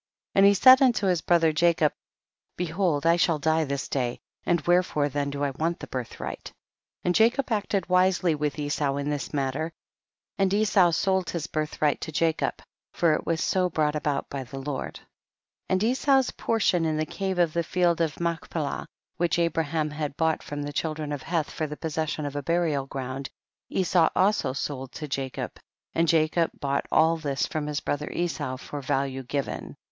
12. And he said unto his brother Jacob, behold I shall die this day, and wherefore then do I want the birthright ? And Jacob acted wisely with Esau in this matter, and Esau sold his birthright to Jacob, for it was so brought about by the Lord. 13. And Esau's portion in the cave of the field of Machpelah, which Abraham had bought from the chil dren of Heth for the possession of a burial ground, Esau also sold to Ja cob, and Jacob bought all this from his brother Esau for value given.